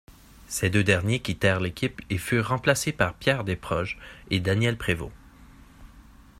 Ces deux derniers quittèrent l'équipe et furent remplacés par Pierre Desproges et Daniel Prévost.